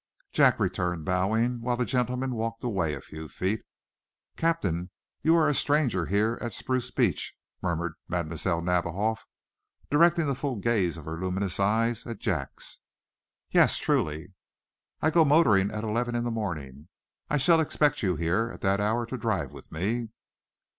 Jack returned, bowing, while the gentleman walked away a few feet. "Captain, you are a stranger here at Spruce Beach?" murmured Mlle. Nadiboff, directing the full gaze of her luminous eyes at Jack's. "Yes, truly." "I go motoring at eleven in the morning. I shall expect you here, at that hour, to drive with me."